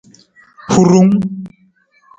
Hurung.